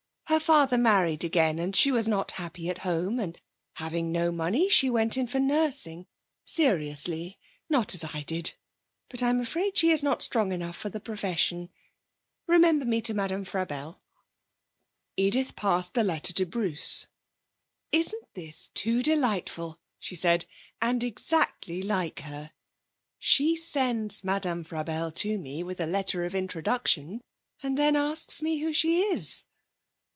Her father married again and she was not happy at home, and, having no money, she went in for nursing, seriously (not as I did), but I'm afraid she is not strong enough for the profession. Remember me to Madame Frabelle.' Edith passed the letter to Bruce. 'Isn't this too delightful?' she said; 'and exactly like her? She sends Madame Frabelle to me with a letter of introduction, and then asks me who she is!'